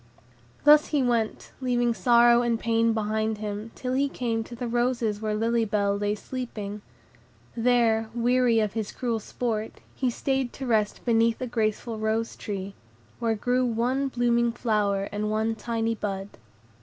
Thus he went, leaving sorrow and pain behind him, till he came to the roses where Lily Bell lay sleeping. There, weary of his cruel sport, he stayed to rest beneath a graceful rose tree, where grew one blooming flower and a tiny bud.